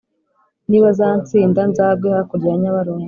nibazansinda nzagwe hakurya ya nyabarongo